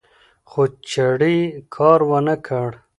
خو چړې کار ونکړ